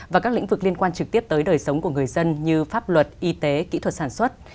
và các lĩnh vực liên quan trực tiếp tới đời sống của người dân như pháp luật y tế kỹ thuật sản xuất